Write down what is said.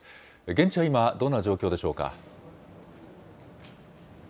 現地は今、どんな状況でしょうか。